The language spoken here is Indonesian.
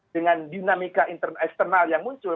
dengan dinamika eksternal yang muncul